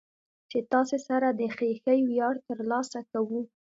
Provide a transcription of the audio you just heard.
چې تاسې سره د خېښۍ وياړ ترلاسه کو.